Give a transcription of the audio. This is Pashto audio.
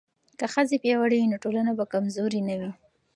که ښځې پیاوړې وي نو ټولنه به کمزورې نه وي.